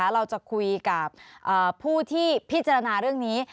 เราจะคุยกับผู้ที่พิจารณาเรื่องนี้